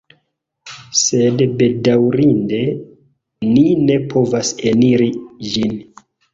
Sed, bedaŭrinde ni ne povas eniri ĝin.